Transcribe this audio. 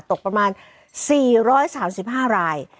ตกประมาณ๔๓๕ราย